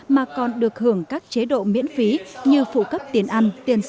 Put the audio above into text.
mà còn được hưởng các chế độ miễn phí như phụ cấp tiền ăn tiền xăng xe